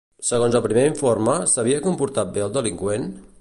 Segons el primer informe, s'havia comportat bé el delinqüent?